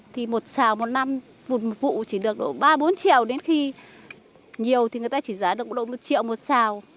thì một xào một năm vụt một vụ chỉ được độ ba bốn triệu đến khi nhiều thì người ta chỉ giá được độ một triệu một xào